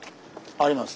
あります。